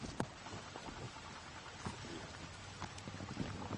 Anteriormente, la entidad utilizaba camiseta negra y pantalón blanco.